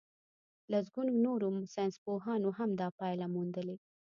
لسګونو نورو ساينسپوهانو هم دا پايله موندلې.